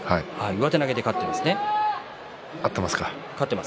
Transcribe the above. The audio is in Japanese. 上手投げで勝っていますね。